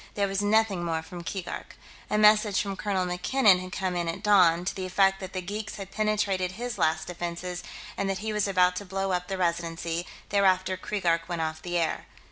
There was nothing more from Keegark. A message from Colonel MacKinnon had come in at dawn, to the effect that the geeks had penetrated his last defenses and that he was about to blow up the Residency; thereafter Keegark went off the air....